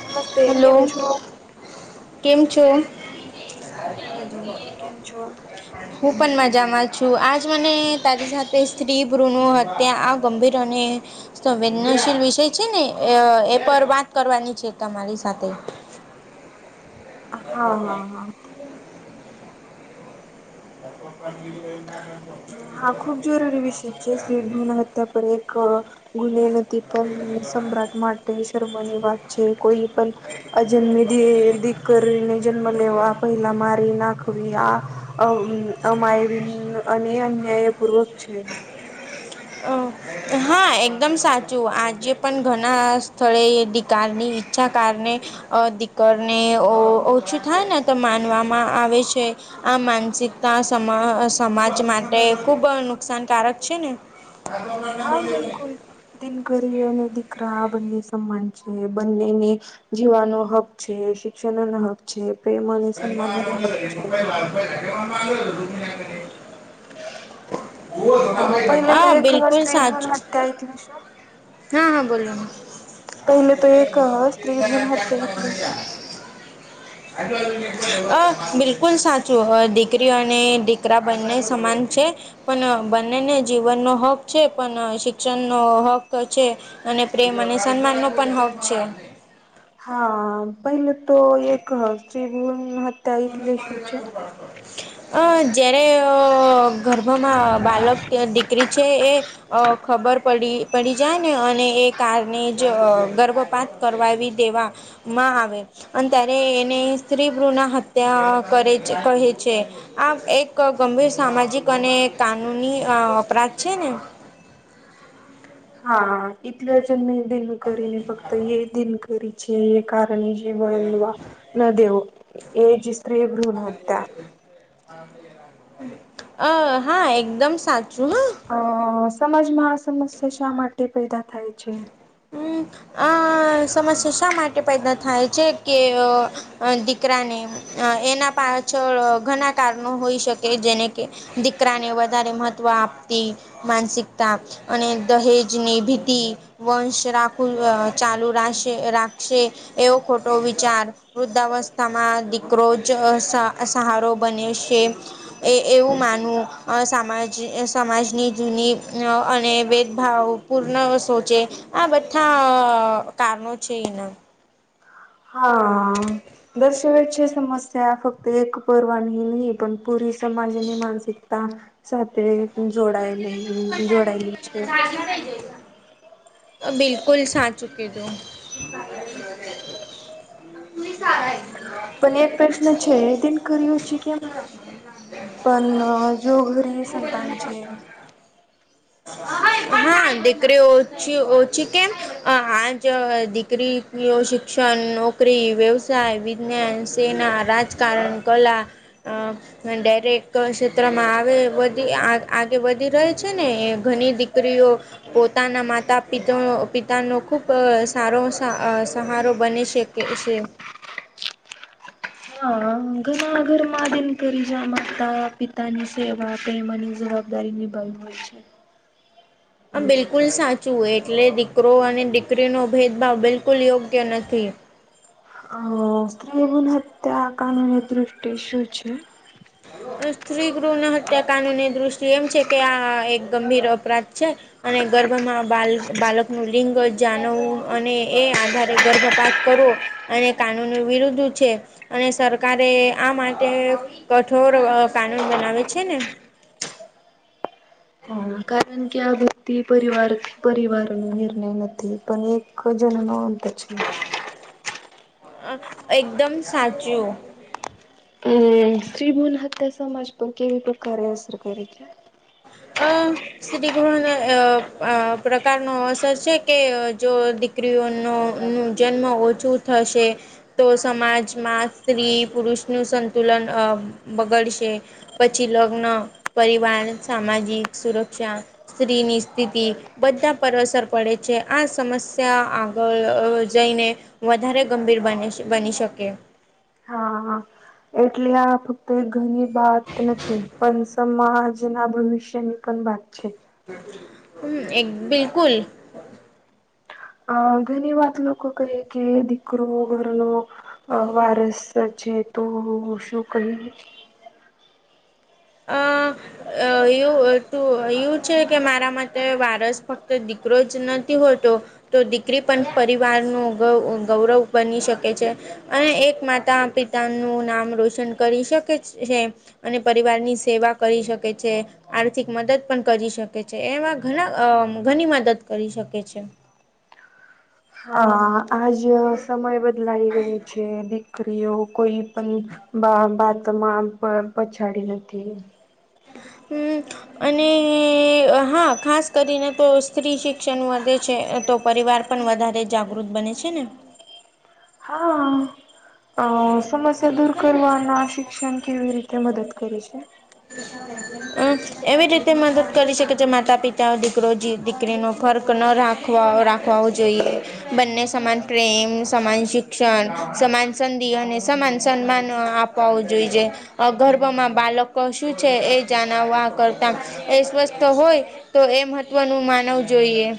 નમસ્તે કેમ હેલો છો? કેમ છો? મે મજામાં તમ કેમ છો? હું પણ મજામાં છું આજ મને તારી સાથે સ્ત્રી ભ્રુણ હત્યા આ ગંભીર અને સંવેદનશીલ વિષય છે ને અ એ પર વાત કરવાની છે તમારી સાથે અ હા હા હા [unintelligible] હા ખૂબ જરૂરી વિષય છે, સ્ત્રી ભ્રુણહત્યા પર એક ગુને ન એ પણ સમ્રાટ માટે શર્મની વાત છે કોઈ પણ અજન્મી દે દીક રી ને જન્મ લેવા પહેલા મારી નાખવી આ અ અમાયવી અને અન્યાયપૂર્વક છે. અ હા એકદમ સાચું આજે પણ ઘણા સ્થળે એ દિકારની ઈચ્છા કારણે અ દીકરને ઓ ઓછું થાય ને તો માનવામાં આવે છે. આ માનસિકતા સમા સમાજ માટે ખુબ નુકસાનકારક છે ને. [unintelligible] હા બિલકુલ દિનકરી અને દીકરા આ બંને સમાન છે બંનેને જીવવાનો હક છે, શિક્ષણનો હક છે, પ્રેમ અને સન્માન નો હક છે. હા [unintelligible] પહેલે તો હા, એક બિલકુલ સ્ત્રી સાચું. [unintelligible] હા હા બોલો. [unintelligible] સ્ત્રી ભ્રુણ હત્યા એટલે શું? અ બિલકુલ સાચું અ દીકરી અને દીકરા બંને સમાન છે. પણ બંનેને જીવનનો હક છે, પણ શિક્ષણ નો હક ક છે અને પ્રેમ અને સન્માન નો પણ હક છે. હા પેહલે તો એક સ્ત્રી ભ્રુણ હત્યા એટલે શું છે? અ જયારે અ ગર્ભમાં બાળક કે દીકરી છે એ અ ખબર પડી પડી જાય ને અને એ કારણે જ અ ગર્ભપાત કરવાવી દેવામાં આવે અને ત્યારે એને સ્ત્રી ભ્રુણ હત ત્યાં કરે છે, કહે છે. આ એક ગંભીર સામાજિક અને કાનૂની અ અપરાધ છે ને. હા એટલે જન્મે દિનકરીને ફક્ત એ દિનકરી છે એ કારણે જ [unintelligible] ન દેવો, એ જ સ્ત્રી ભ્રુણ હત્યા. અ હા એકદમ સાચું હા. અ સમાજમાં આ સમસ્યા શા માટે પેદા થાય છે? હમ આ અ સમસ્યા શા માટે પેદા થાય છે કે અ અ દીકરાને એના પા છળ ઘણા કારણો હોઈ શકે જેને કે દીકરાને વધારે મહત્ત્વ આપતી માનસિકતા અને દહેજની ભીતિ. વંશ રાખું અ ચાલુ રાશે રાખશે એવો ખોટો વિચાર. વૃદ્ધાવસ્થામાં દીકરો જ અ સહા સહારો બને સે. એ એવું માનવું અ સમાજ સમાજની જૂની અ અને ભેદભાવ પૂર્ણ વસો છેે આ બધા અ કારણો છે એના હા દર્શવ છે સમસ્યા ફક્ત એક પરવાની હી નહી પણ પુરી સમાજની માનસિકતા સાથે જોડાયેલી જોડાયેલી છે. એના બિલકુલ સાચું કીધું [unintelligible] પણ એક પ્રશ્ન છે તેન કર્યો છે કેમ પણ જો ઘરે સંતાન છે. હા દીકરી ઓછી ઓછી કેમ આજ દીકરી શિક્ષણ નોકરી વ્યવસાય વિજ્ઞાન સેના રાજકારણ કલા અ ડાયરેક્ટ ક્ષેત્રમાં આવે વધી આગે વધી રહી છે. છે ને એ ઘણી દીકરીઓ પોતાના માતા પિત પિતાનો ખૂબ સારો સહારો બને છે. કે એ છે. હા ઘણા ઘર મા દિન કરી જા માતા પિતા પોતાની સેવા આપે માની જવાબદારી નિભાઈ હોય છે. આ બિલકુલ સાચું હોય એટલે દીકરો અને દીકરીનો ભેદભાવ બિલકુલ યોગ્ય નથી અ સ્ત્રી ગુણ હત્યા કાનુની દૃષ્ટિ શું છે. સ્ત્રી ગૃહના હત્યાકાંડની દૃષ્ટિ એમ છે કે આ એક ગંભીર અપરાધ છે. અને ગભ ગર્ભમાં બાલ બાલકનું રિંગ જાણવું અને એ આધારે ગર્ભપાપ કરુ અને કાનૂન વિરુદ્ધ છે અને સરકારે આ માટે કઠોર કાનૂન બનાવે છે ને કારણ કે આ વ્યક્તિ પરિવાર પરિવાર નિર્ણય નથી પણ એક જન્મ હોતા છે. એકદમ સાચું હમ શ્રી ભુણ હત્યા સમાજ પર કેવી પ્રકારે અસર કરે છે. [unintelligible] સ્ત્રી ગણને પ્રકારનો અસર છે કે જો સ્ત્રીઓનો નું જન્મ ઓછું થશે તો સમાજમાં સ્ત્રી પુરુષ નું સંતુલન અ બગડશે પછી લગ્ન પરિવાર સામાજિક સુરક્ષા સ્ત્રીની સ્થિતિ બધા પર અસર પડે છે આ સમસ્યા આગળ જઈને વધારે ગંભીર બને છે બની શકે હા હા એટલે આ કોઈ ઘરની બાત નથી પણ સમાજના ભવિષ્યની પણ વાત છે. હ એક બિલકુલ અ ઘણી વાત લોકો કરે કે દીકરો ઘરનો વારસ છે તો શું કરી અ અ એવું તું એવું છે કે મારા માટે વારસ ફક્ત દીકરો જ નથી હોતો તો દીકરી પણ પરિવાર ન ગૌવ ગૌરવ બની શકે છે. અને એક માતા પિતા નું નામ રોશન કરી શકે છે અને પરિવારની સેવા કરી શકે છે. આર્થિક મદદ પણ કરી શકે છે એમાં ઘણા ઘણી મદદ કરી શકે છે. હા આજ સમય બદલાઈ ગયો છે. કરીઓ કોઈ પણ બા બાતમાં પછાડી નથી હમ અને હા ખાસ કરીને તો સ્ત્રી શિક્ષણ વધે છે તો પરિવાર પણ વધારે જાગૃત બને છે ને હા સમસ્યા દૂર કરવાના શિક્ષણ કેવી રીતે મદદ કરે છે એજ એવી રીતે મદદ કરી શકે જે માતા પિતા દીકરો દીકરીનો ફર્ક ન રાખે વા રાખવાવું જોઈએ બંને સમાન પ્રેમ સમાન શિક્ષણ સમાન સંધિ અને સમાન સન્માન આપ કોવું જોઈજે અ ગર્ભમાં બાલક કશું છે એ જાણાવવા કરતા એ સ્વસ્થ હોય તો એ મહત્વનું માનવું જોઈએ [inaudible]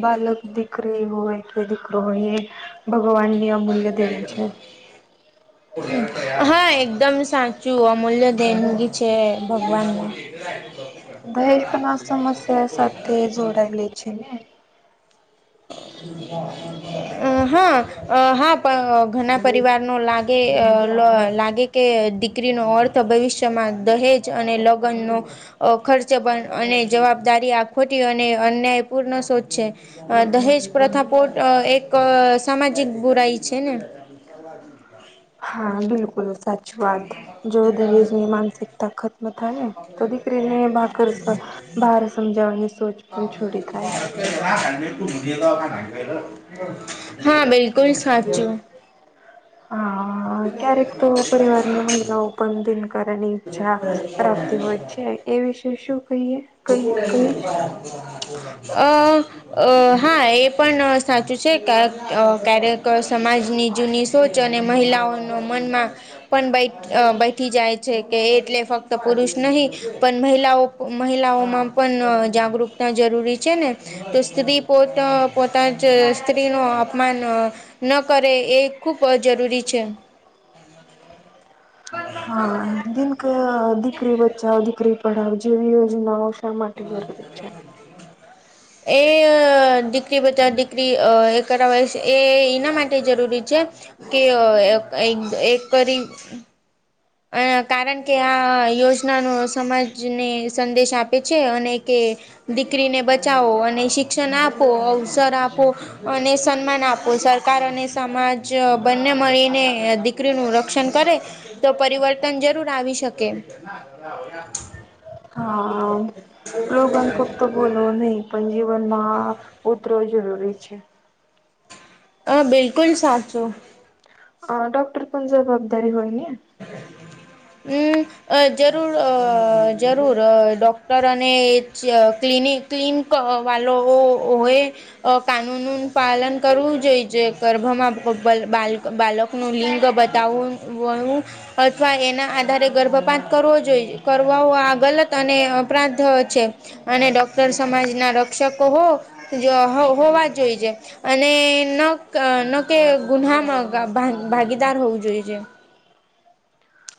બ બાળક દીકરી હોય કે દીકરો હોય એ ભગવાનની અમૂલ્ય દેન છે. [inaudible] હા એકદમ સાચું અમૂલ્ય દેનગી છે ભગવાનમાં [inaudible] દહેજ પણ આ સમસ્યા સાથે જોડાયલી છે ને અ હા અ હા પણ ઘણા પરિવાર નો લાગે લાગે કે દીકરીનો અર્થ ભવિષ્યમાં દહેજ અને લગ્નનો ખર્ચ બંધ અને જવાબદારી આ ખોટી અને અન્યાય પૂર્ણ સોચ છે દહેજ પ્રથા પોટ એક સામાજિક બુરાઈ છે ને [inaudible] હા બિલકુલ સાચી વાત જો દહેજ ની માનસિકતા ખ ખતમ થાહે ને તો દીકરીને બાકર બહાર સમજાવવાની સોચ પણ છોડી દાય હા બિલકુલ સાચું અ ક્યારેક તો પરિવારની મહિલાઓ પણ દિનકારની ઈચ્છા રાખતી હોય છે એ વિશે શું કહીએ ક કહીશ અ અ હા એ પણ સાચું છે ક ક્યારેક સમાજની જૂની સોચ અને મહિલાઓનો મનમાં પણ બેઠી જાય છે કે એટલે ફક્ત પુરુષ નહી પણ મહિલાઓ મહિલાઓમાં પણ જાગૃકતા જરૂરી છે ને તો સ્ત્રી પોતા પોતા જ સ્ત્રી નું અપમાન ન કરે એ ખૂબ જરૂરી છે હ [unintelligible] દિક દીકરી બચાઓ દીકરી પઢાઓ જેવીી યોજનાઓ શા માટે જરૂરી છે હ એ દીકરી બધા દીકરી એ કરાવય છે એ એના માટે જરૂરી છે કે અ એક કરી અ કારણ કે આ યોજનાનો સમાજને સંદેશ આપે છે અને કે દીકરીને બચાવો અને શિક્ષણ આપો અવસર આપો અને સન્માન આપો સરકાર અને સમાજ બંને મળીને દી દીકરી નું રક્ષણ કરે તો પરિવર્તન જરૂર આવી શકે હા [unintelligible] સ્લોગન ફક્ત બોલવો નહીં પણ જીવનમાં આ ઉતરો જરૂરી છે. હ બિલકુલ સાચું અ ડોક્ટર પણ જવાબદારી હોય ને હમ અ જરૂર જરૂર ડૉક્ટર અને ક્લિનિક ક્લીન વાળવો હોય અ કાનૂન ન પાલન કરવું જોઈએ જે ગર્ભમાં બા બાલક નું લિંગ બતાવું વયું અથવા એના આધારે ગર્ભપાત કરવો જોઈએ કરવા આ ગલત અને અપરાધ છે. અને ડોક્ટર સમાજ ના રક્ષકો હો હોવા જોઈ છે. અને ન ન કે ગુહમાં ભાગીદાર હોવું જોઈએ છે.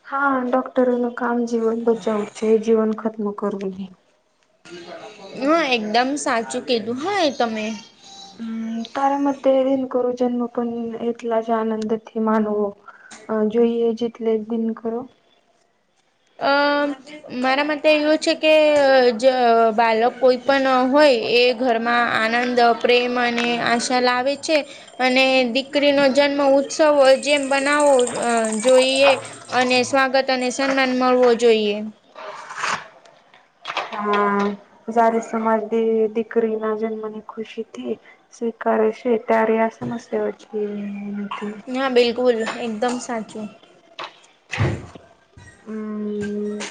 હા ડોક્ટરી ન કામ જીવન બચાવું છે જીવન ખતમ કરવું નહી હા એકદમ સાચું કીધું હા તમે હમ તારા મતે દિન કરું જન્મ પણ એલા જ આનંદથીથી માનવો જોઈએ જેટલે એક દિન કરો અ મારા માટે એવું છે કે બાળક કોઈ પણ હોય એ ઘરમાં આનંદ પ્રેમ અને આશા લાવે છે. અને દીકરીનોો જન્મ ઉત્સવ જેમ બનાવો જોઈએ અને સ્વાગત અને સન્માન મળવો જોઈએ હા સારી સમાજ દીકરી ના જન્મની ખુશીથી સ્વીકારે છે. ત્યારે આ સમસ્યાઓ છે એ હા બિલકુલ એકદમ સાચો હમ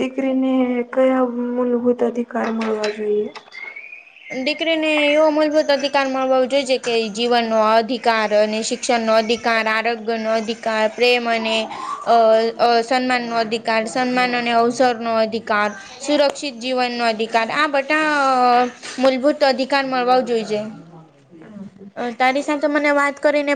દીકરીને કયા મૂળભૂત અધિકાર મળવા જોઈએ દીકરીને એવો મૂલભૂત અધિકાર મળવાો જોઈ છે કે જીવનનો અધિકાર અને શિક શિક્ષણનો અધિકાર આરોગ્યનો અધિકાર પ્રેમને અ સન્માન નો અધિકાર સન્માન અને અવસરનોો અધિકાર સુરક્ષિત જીવનનોો અધિકાર આ બધાં મૂલભૂત અધિકાર મળવા જોઈજ તારી સાથે મને વાત કરીને